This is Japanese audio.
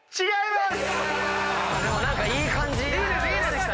違います！